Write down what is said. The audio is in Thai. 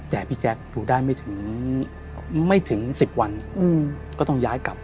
แต่พี่แจ๊คอยู่ได้ไม่ถึงไม่ถึง๑๐วันก็ต้องย้ายกลับ